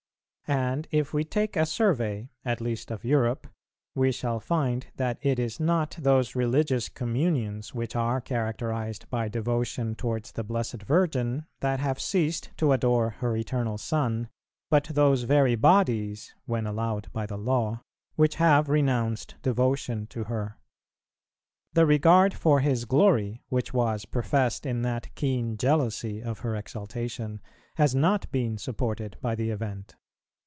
And if we take a survey at least of Europe, we shall find that it is not those religious communions which are characterized by devotion towards the Blessed Virgin that have ceased to adore her Eternal Son, but those very bodies, (when allowed by the law,) which have renounced devotion to her. The regard for His glory, which was professed in that keen jealousy of her exaltation, has not been supported by the event.